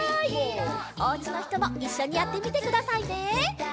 おうちのひともいっしょにやってみてくださいね！